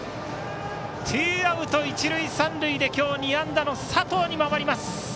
ツーアウト、一塁三塁で今日、２安打の佐藤に回ります。